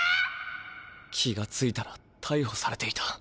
気がついたらたいほされていた。